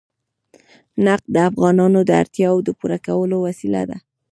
نفت د افغانانو د اړتیاوو د پوره کولو وسیله ده.